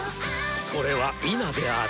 それは「否」である！